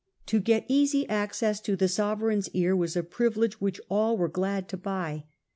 To get easy access to the sovereign's ear was a privilege which all were glad to buy.